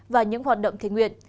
và những hoạt động thề nguyện